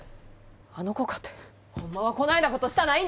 あの子かてホンマはこないなことしたないんです！